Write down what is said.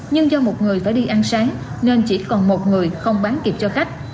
nhưng do một người phải đi ăn sáng nên chỉ còn một người không bán kịp cho khách